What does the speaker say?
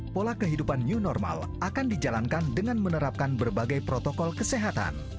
pola kehidupan new normal akan dijalankan dengan menerapkan berbagai protokol kesehatan